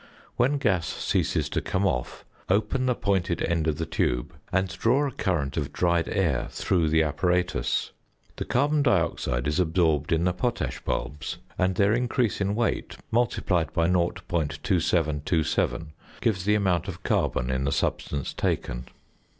When gas ceases to come off, open the pointed end of the tube and draw a current of dried air through the apparatus. The carbon dioxide is absorbed in the potash bulbs, and their increase in weight multiplied 0.2727 gives the amount of carbon in the substance taken.